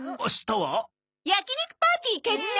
焼き肉パーティー決定！